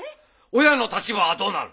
親の立場はどうなる？